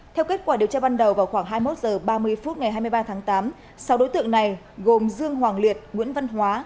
theo kết quả điều tra ban đầu vào khoảng hai mươi một h ba mươi phút ngày hai mươi ba tháng tám sáu đối tượng này gồm dương hoàng liệt nguyễn văn hóa